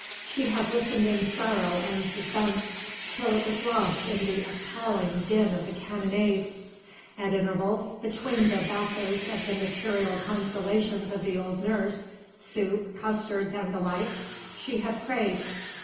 She had listened in sorrow and suspense, till it was lost in the appalling din of the cannonade. At intervals, between the bathos of the material consolations of the old nurse, soup, custards, and the like she had prayed.